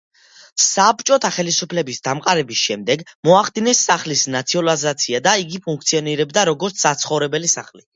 საბჭოთა ხელისუფლების დამყარების შემდეგ მოახდინეს სახლის ნაციონალიზაცია და იგი ფუნქციონირებდა, როგორც საცხოვრებელი სახლი.